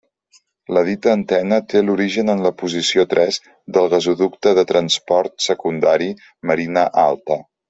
La dita antena té l'origen en la posició tres del gasoducte de transport secundari Marina Alta.